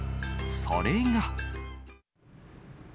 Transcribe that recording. それが。